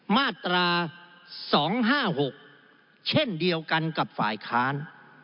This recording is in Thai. มาตรา๒๕๖เช่นเดียวกันกับฝ่ายค้าน